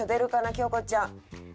京子ちゃん。